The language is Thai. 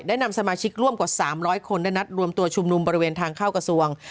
นำสมาชิกร่วมกว่า๓๐๐คนได้นัดรวมตัวชุมนุมบริเวณทางเข้ากระทรวง